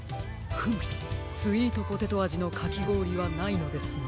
フムスイートポテトあじのかきごおりはないのですね。